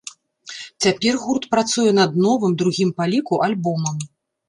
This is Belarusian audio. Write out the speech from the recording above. Цяпер гурт працуе над новым, другім па ліку, альбомам.